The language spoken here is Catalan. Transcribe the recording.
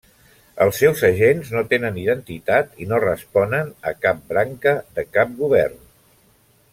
Els seus agents no tenen identitat i no responen a cap branca de cap govern.